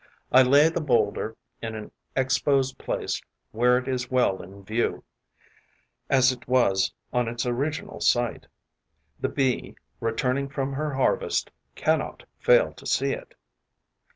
I lay the boulder in an exposed place where it is well in view, as it was on its original site. The Bee returning from her harvest cannot fail to see it.